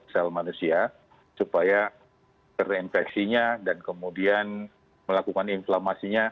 sel manusia supaya terinfeksinya dan kemudian melakukan inflamasinya